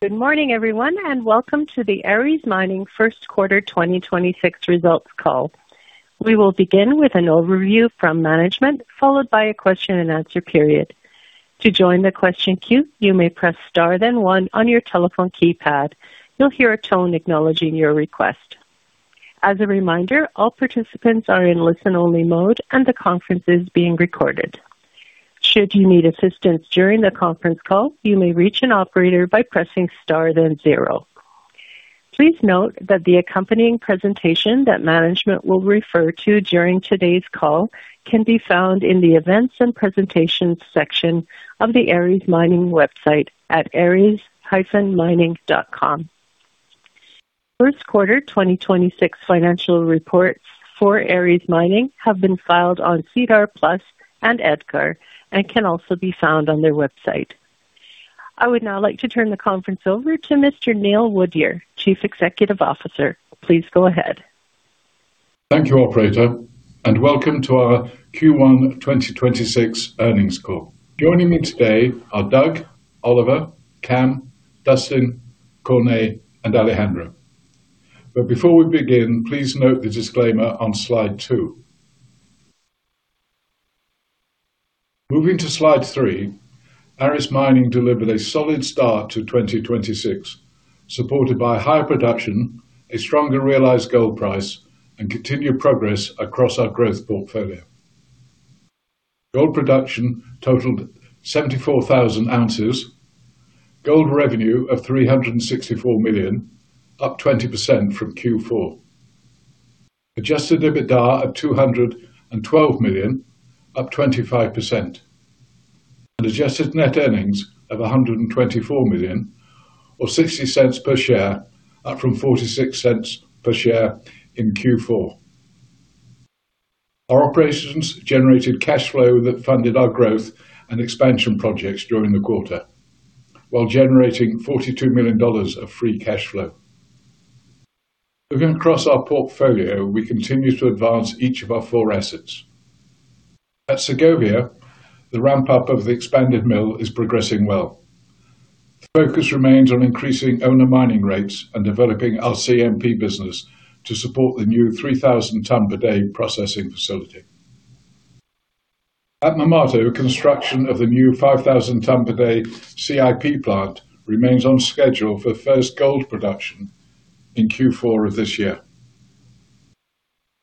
Good morning, everyone, welcome to the Aris Mining first quarter 2026 results call. We will begin with an overview from management, followed by a question and answer period. To join the question queue, you may press star then one on your telephone keypad. You'll hear a tone acknowledging your request. As a reminder, all participants are in listen-only mode, and the conference is being recorded. Should you need assistance during the conference call, you may reach an operator by pressing star then zero. Please note that the accompanying presentation that management will refer to during today's call can be found in the Events and Presentations section of the Aris Mining website at aris-mining.com. First quarter 2026 financial reports for Aris Mining have been filed on SEDAR+ and EDGAR and can also be found on their website. I would now like to turn the conference over to Mr. Neil Woodyer, Chief Executive Officer. Please go ahead. Thank you, operator, and welcome to our Q1 2026 earnings call. Joining me today are Doug, Oliver, Cam, Dustin, Corné, and Alejandro. Before we begin, please note the disclaimer on slide two. Moving to slide three. Aris Mining delivered a solid start to 2026, supported by high production, a stronger realized gold price, and continued progress across our growth portfolio. Gold production totaled 74,000 ounces, gold revenue of $364 million, up 20% from Q4. Adjusted EBITDA of $212 million, up 25%. Adjusted net earnings of $124 million, or $0.60 per share, up from $0.46 per share in Q4. Our operations generated cash flow that funded our growth and expansion projects during the quarter while generating $42 million of free cash flow. Looking across our portfolio, we continue to advance each of our four assets. At Segovia, the ramp-up of the expanded mill is progressing well. The focus remains on increasing owner mining rates and developing our CMP business to support the new 3,000 ton per day processing facility. At Marmato, construction of the new 5,000 ton per day CIP plant remains on schedule for first gold production in Q4 of this year.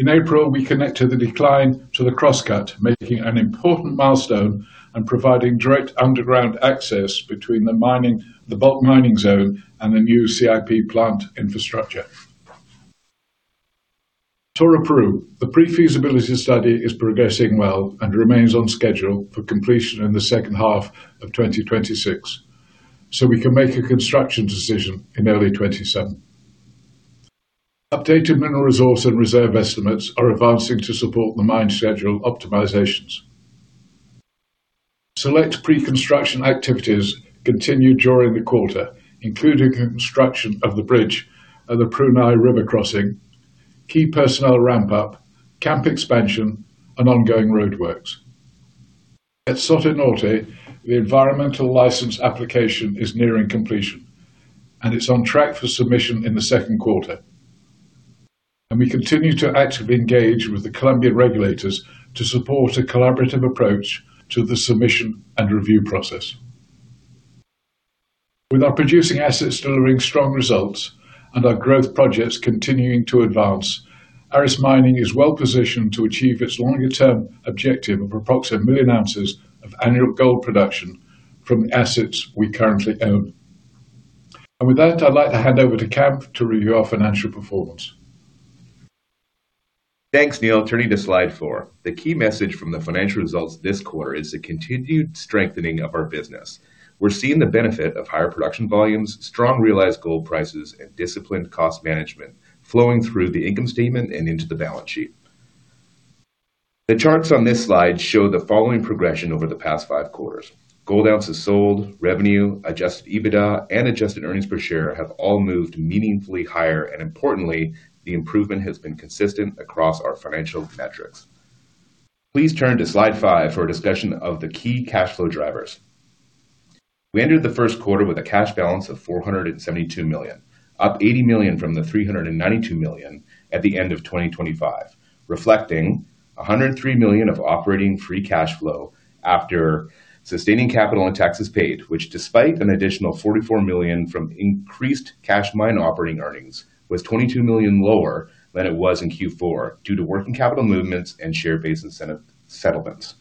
In April, we connected the decline to the crosscut, making an important milestone and providing direct underground access between the mining, the bulk mining zone and the new CIP plant infrastructure. Toroparu. The pre-feasibility study is progressing well and remains on schedule for completion in the second half of 2026, so we can make a construction decision in early 2027. Updated mineral resource and reserve estimates are advancing to support the mine schedule optimizations. Select pre-construction activities continued during the quarter, including construction of the bridge at the Puruni River crossing, key personnel ramp-up, camp expansion, and ongoing roadworks. At Soto Norte, the environmental license application is nearing completion. It's on track for submission in the second quarter. We continue to actively engage with the Colombian regulators to support a collaborative approach to the submission and review process. With our producing assets delivering strong results and our growth projects continuing to advance, Aris Mining is well-positioned to achieve its longer-term objective of approximately a million ounces of annual gold production from the assets we currently own. With that, I'd like to hand over to Cam to review our financial performance. Thanks, Neil. Turning to slide four. The key message from the financial results this quarter is the continued strengthening of our business. We're seeing the benefit of higher production volumes, strong realized gold prices, and disciplined cost management flowing through the income statement and into the balance sheet. The charts on this slide show the following progression over the past five quarters. Gold ounces sold, revenue, adjusted EBITDA, and adjusted earnings per share have all moved meaningfully higher, and importantly, the improvement has been consistent across our financial metrics. Please turn to slide five for a discussion of the key cash flow drivers. We entered the first quarter with a cash balance of $472 million, up $80 million from the $392 million at the end of 2025, reflecting $103 million of operating free cash flow after sustaining capital and taxes paid, which despite an additional $44 million from increased cash mine operating earnings, was $22 million lower than it was in Q4 due to working capital movements and share-based incentive settlements.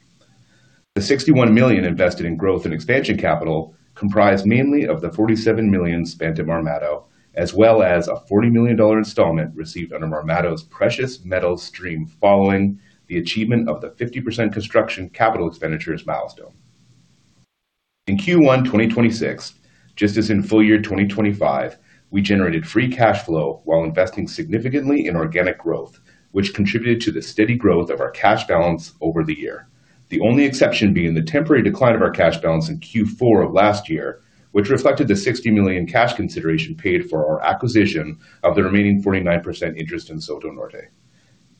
The $61 million invested in growth and expansion capital comprised mainly of the $47 million spent at Marmato, as well as a $40 million installment received under Marmato's precious metal stream following the achievement of the 50% construction capital expenditures milestone. In Q1 2026, just as in full year 2025, we generated free cash flow while investing significantly in organic growth, which contributed to the steady growth of our cash balance over the year. The only exception being the temporary decline of our cash balance in Q4 of last year, which reflected the $60 million cash consideration paid for our acquisition of the remaining 49% interest in Soto Norte.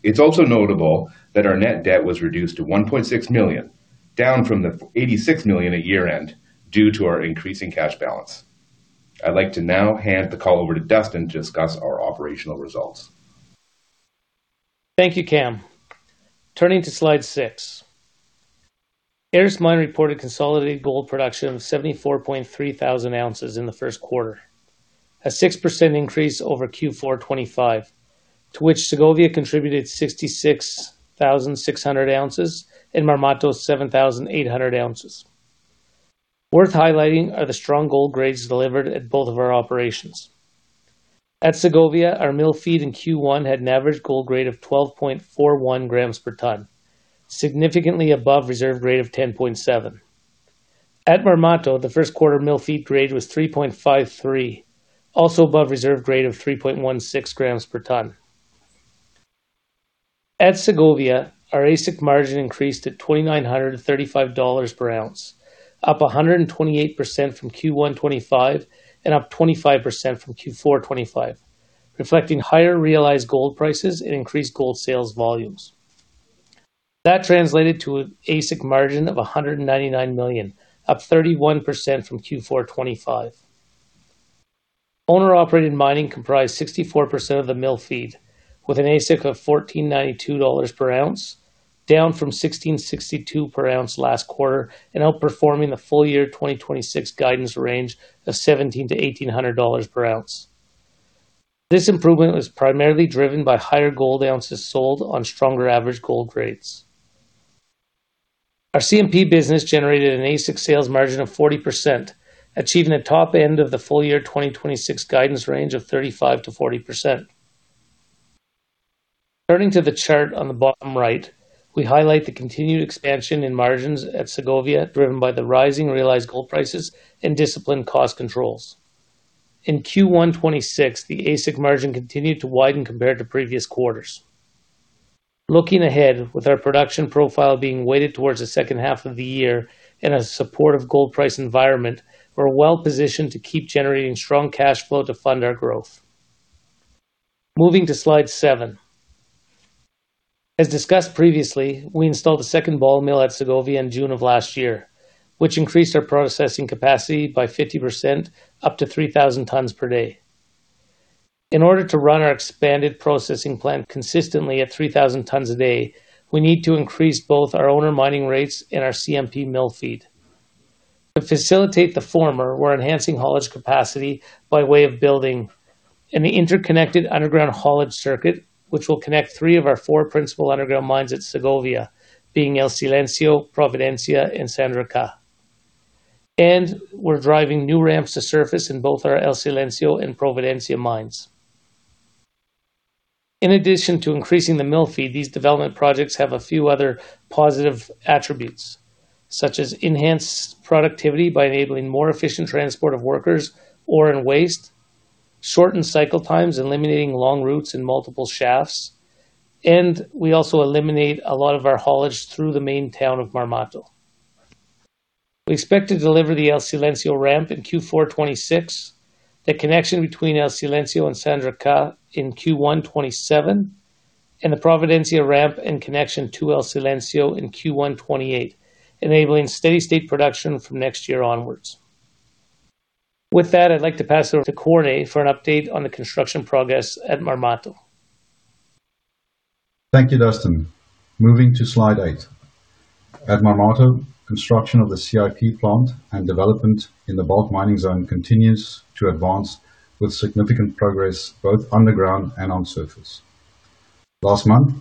It's also notable that our net debt was reduced to $1.6 million, down from the $86 million at year-end due to our increasing cash balance. I'd like to now hand the call over to Dustin to discuss our operational results. Thank you, Cam. Turning to slide six. Aris Mining reported consolidated gold production of 74,300 ounces in the first quarter, a 6% increase over Q4 2025, to which Segovia contributed 66,600 ounces and Marmato 7,800 ounces. Worth highlighting are the strong gold grades delivered at both of our operations. At Segovia, our mill feed in Q1 had an average gold grade of 12.41 grams per ton, significantly above reserve grade of 10.7. At Marmato, the first quarter mill feed grade was 3.53, also above reserve grade of 3.16 grams per ton. At Segovia, our AISC margin increased at $2,935 per ounce, up 128% from Q1 2025 and up 25% from Q4 2025, reflecting higher realized gold prices and increased gold sales volumes. Translated to AISC margin of $199 million, up 31% from Q4 2025. Owner operated mining comprised 64% of the mill feed with an AISC of $1,492 per ounce, down from $1,662 per ounce last quarter, and outperforming the full year 2026 guidance range of $1,700-$1,800 per ounce. This improvement was primarily driven by higher gold ounces sold on stronger average gold grades. Our CMP business generated an AISC sales margin of 40%, achieving the top end of the full year 2026 guidance range of 35%-40%. Turning to the chart on the bottom right, we highlight the continued expansion in margins at Segovia, driven by the rising realized gold prices and disciplined cost controls. In Q1 2026, the AISC margin continued to widen compared to previous quarters. Looking ahead, with our production profile being weighted towards the second half of the year in a supportive gold price environment, we're well-positioned to keep generating strong cash flow to fund our growth. Moving to slide seven. As discussed previously, we installed a second ball mill at Segovia in June of last year, which increased our processing capacity by 50% up to 3,000 tons per day. In order to run our expanded processing plant consistently at 3,000 tons a day, we need to increase both our owner mining rates and our CMP mill feed. To facilitate the former, we're enhancing haulage capacity by way of building an interconnected underground haulage circuit, which will connect three of our four principal underground mines at Segovia, being El Silencio, Providencia, and Sandra K. We're driving new ramps to surface in both our El Silencio and Providencia mines. In addition to increasing the mill feed, these development projects have a few other positive attributes, such as enhanced productivity by enabling more efficient transport of workers or in waste, shortened cycle times, eliminating long routes and multiple shafts. We also eliminate a lot of our haulage through the main town of Marmato. We expect to deliver the El Silencio ramp in Q4 2026, the connection between El Silencio and Sandra K in Q1 2027, and the Providencia ramp in connection to El Silencio in Q1 2028, enabling steady state production from next year onwards. With that, I'd like to pass it over to Corné for an update on the construction progress at Marmato. Thank you, Dustin. Moving to slide eigth. At Marmato, construction of the CIP plant and development in the bulk mining zone continues to advance with significant progress both underground and on surface. Last month,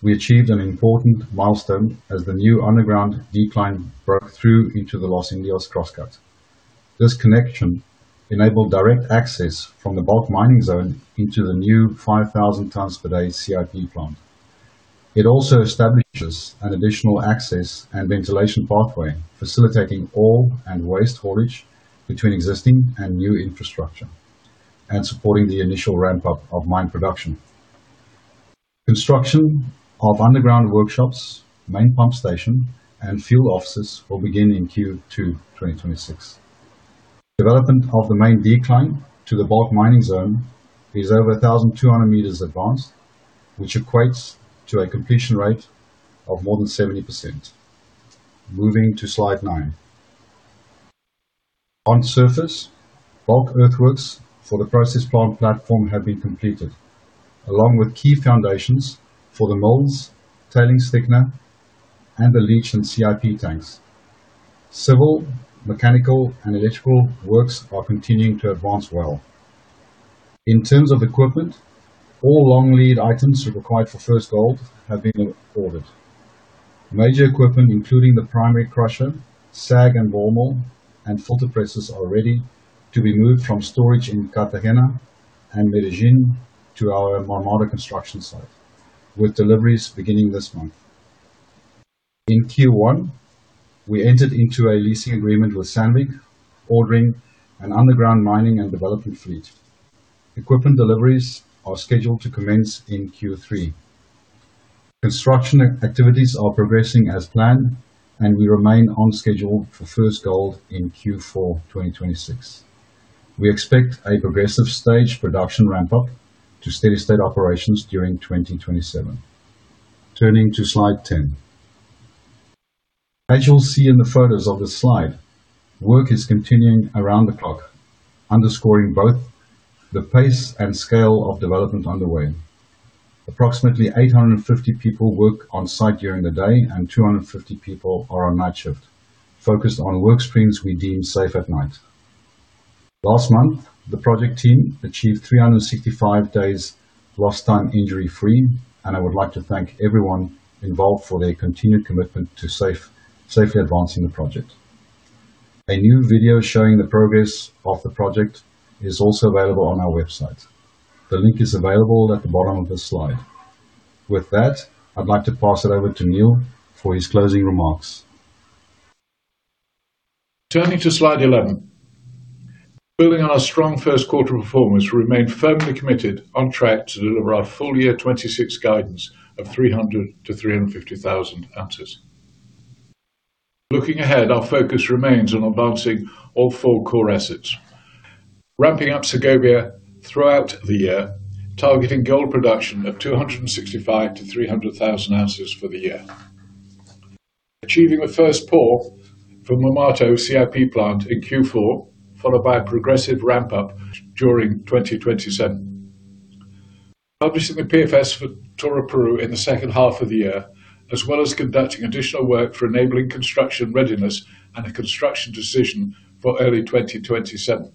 we achieved an important milestone as the new underground decline broke through into the Los Indios crosscut. This connection enabled direct access from the bulk mining zone into the new 5,000 tons per day CIP plant. It also establishes an additional access and ventilation pathway, facilitating ore and waste haulage between existing and new infrastructure and supporting the initial ramp-up of mine production. Construction of underground workshops, main pump station, and field offices will begin in Q2 2026. Development of the main decline to the bulk mining zone is over 1,200 meters advanced, which equates to a completion rate of more than 70%. Moving to slide nine. On surface, bulk earthworks for the process plant platform have been completed, along with key foundations for the mills, tailings thickener, and the leach and CIP tanks. Civil, mechanical, and electrical works are continuing to advance well. In terms of equipment, all long lead items required for first gold have been ordered. Major equipment, including the primary crusher, SAG and ball mill, and filter presses, are ready to be moved from storage in Cartagena and Medellín to our Marmato construction site, with deliveries beginning this month. In Q1, we entered into a leasing agreement with Sandvik, ordering an underground mining and development fleet. Equipment deliveries are scheduled to commence in Q3. Construction activities are progressing as planned, and we remain on schedule for first gold in Q4 2026. We expect a progressive stage production ramp up to steady state operations during 2027. Turning to slide 10. As you'll see in the photos of this slide, work is continuing around the clock, underscoring both the pace and scale of development underway. Approximately 850 people work on site during the day, and 250 people are on night shift, focused on work streams we deem safe at night. Last month, the project team achieved 365 days lost time, injury-free. I would like to thank everyone involved for their continued commitment to safe, safely advancing the project. A new video showing the progress of the project is also available on our website. The link is available at the bottom of this slide. With that, I'd like to pass it over to Neil for his closing remarks. Turning to slide 11. Building on our strong first quarter performance, we remain firmly committed on track to deliver our full year 2026 guidance of 300,000-350,000 ounces. Looking ahead, our focus remains on advancing all four core assets. Ramping up Segovia throughout the year, targeting gold production of 265,000-300,000 ounces for the year. Achieving a first pour for Marmato CIP plant in Q4, followed by a progressive ramp-up during 2027. Publishing the PFS for Toroparu in the second half of the year, as well as conducting additional work for enabling construction readiness and a construction decision for early 2027.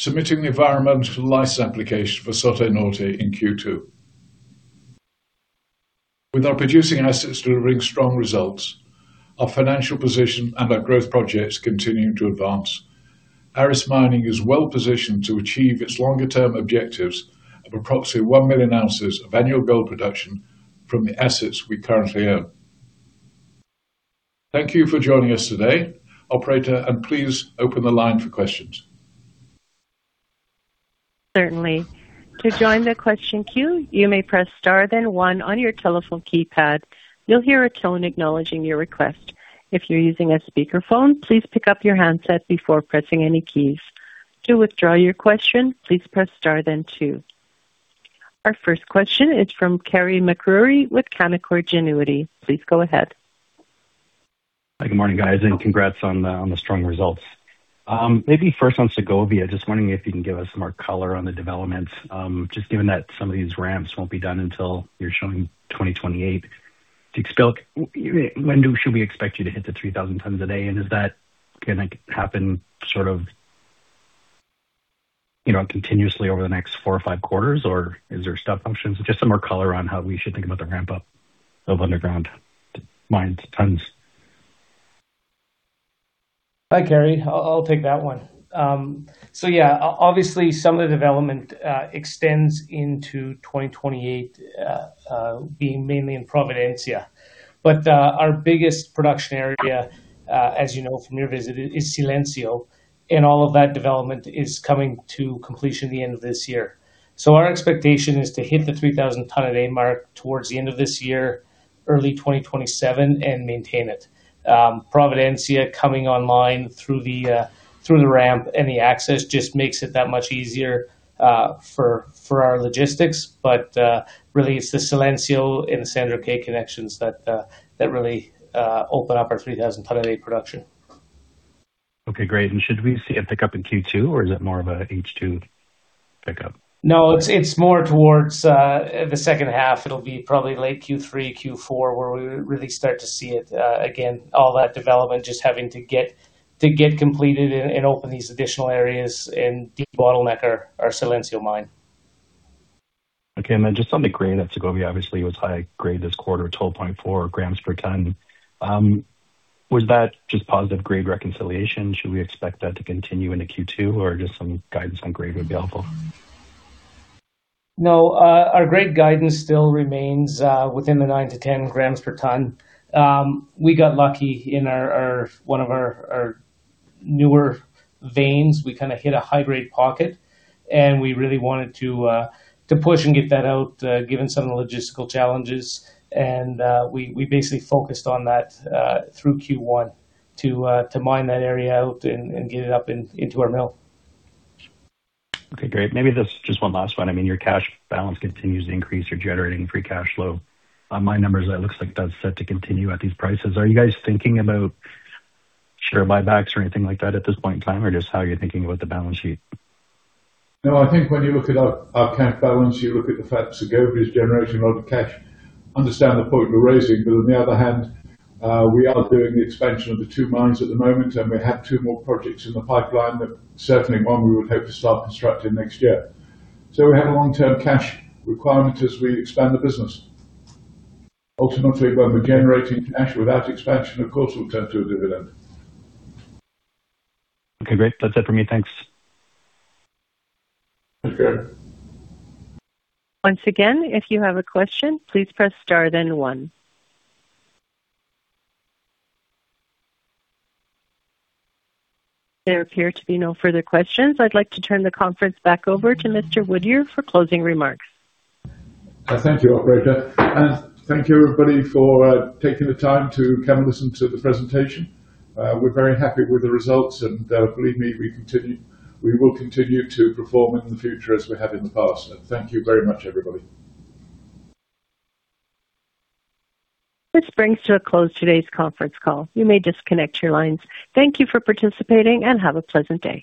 Submitting the environmental license application for Soto Norte in Q2. With our producing assets delivering strong results, our financial position and our growth projects continuing to advance, Aris Mining is well-positioned to achieve its longer-term objectives of approximately 1 million ounces of annual gold production from the assets we currently own. Thank you for joining us today. Operator, please open the line for questions. Certainly. To join the question queue, you may press star then one on your telephone keypad. You'll hear a tone acknowledging your request. If you're using a speakerphone, please pick up your handset before pressing any keys. To withdraw your question, please press star then two. Our first question is from Carey MacRury with Canaccord Genuity. Please go ahead. Hi. Good morning, guys, and congrats on the strong results. Maybe first on Segovia, just wondering if you can give us some more color on the development. Just given that some of these ramps won't be done until you're showing 2028. When should we expect you to hit the 3,000 tons a day, and is that gonna happen sort of, you know, continuously over the next four or five quarters, or is there step functions? Just some more color on how we should think about the ramp-up of underground mines tons. Hi, Carey. I'll take that one. Yeah, obviously some of the development extends into 2028, being mainly in Providencia. Our biggest production area, as you know from your visit, is Silencio, and all of that development is coming to completion at the end of this year. Our expectation is to hit the 3,000 ton a day mark towards the end of this year, early 2027, and maintain it. Providencia coming online through the ramp and the access just makes it that much easier for our logistics. Really it's the Silencio and San Jorge connections that really open up our 3,000 ton a day production. Okay, great. Should we see a pickup in Q2, or is it more of a H2 pickup? No, it's more towards the second half. It'll be probably late Q3, Q4, where we really start to see it. Again, all that development just having to get completed and open these additional areas and debottleneck our Silencio mine. Okay. Just on the grade at Segovia, obviously it was high grade this quarter, 12.4 grams per ton. Was that just positive grade reconciliation? Should we expect that to continue into Q2, or just some guidance on grade available? No. Our grade guidance still remains within the 9 to 10 grams per ton. We got lucky in our one of our newer veins. We kinda hit a high-grade pocket, and we really wanted to push and get that out given some of the logistical challenges. We basically focused on that through Q1 to mine that area out and get it up in into our mill. Okay, great. Maybe just one last one. I mean, your cash balance continues to increase. You're generating free cash flow. On my numbers, it looks like that's set to continue at these prices. Are you guys thinking about share buybacks or anything like that at this point in time, or just how you're thinking about the balance sheet? I think when you look at our cash balance, you look at the fact Segovia is generating a lot of cash. I understand the point you're raising. On the other hand, we are doing the expansion of the two mines at the moment. We have two more projects in the pipeline that certainly one we would hope to start constructing next year. We have a long-term cash requirement as we expand the business. Ultimately, when we're generating cash without expansion, of course, we'll turn to a dividend. Okay, great. That's it for me. Thanks. Thanks, Carey. Once again, if you have a question, please press star then one. There appear to be no further questions. I'd like to turn the conference back over to Mr. Woodyer for closing remarks. Thank you, operator. Thank you, everybody, for taking the time to come and listen to the presentation. We're very happy with the results, and believe me, we will continue to perform in the future as we have in the past. Thank you very much, everybody. This brings to a close today's conference call. You may disconnect your lines. Thank you for participating, and have a pleasant day.